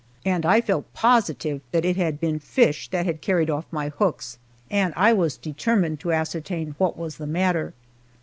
And I felt positive that it had been fish that had carried off my hooks, and I was determined to ascertain what was the matter.